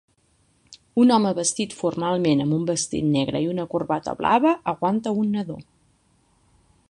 Un home vestit formalment amb un vestit negre i una corbata blava aguanta un nadó.